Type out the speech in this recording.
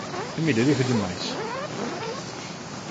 E, mire, dígolle máis.